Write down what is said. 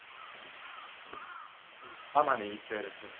天海一平です。